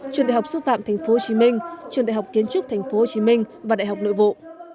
trường đại học xúc phạm tp hcm trường đại học kiến trúc tp hcm và đại học nội vụ